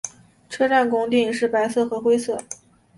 车站拱顶是白色和灰色。